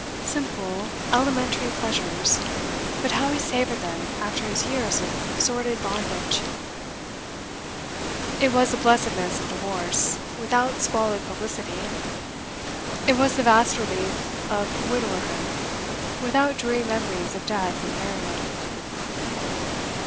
Simple, elementary pleasures, but how he savoured them after his years of sordid bondage! It was the blessedness of divorce, without squalid publicity. It was the vast relief of widowerhood, without dreary memories of death and burial.